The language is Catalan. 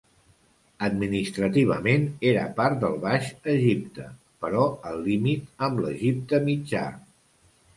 Administrativament, era part del Baix Egipte, però al límit amb l'Egipte mitjà.